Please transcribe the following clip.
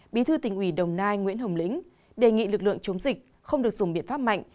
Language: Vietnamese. bí thư tỉnh ủy đồng nai nguyễn hồng lĩnh đề nghị lực lượng chống dịch không được dùng biện pháp mạnh